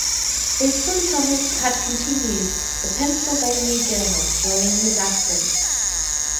His son Thomas had continued "The Pennsylvania Journal" during his absence.